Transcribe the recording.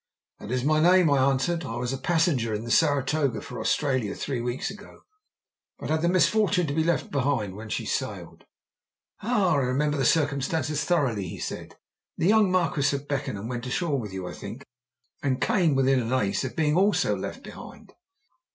"That is my name," I answered. "I was a passenger in the Saratoga for Australia three weeks ago, but had the misfortune to be left behind when she sailed." "Ah! I remember the circumstances thoroughly," he said. "The young Marquis of Beckenham went ashore with you, I think, and came within an ace of being also left behind."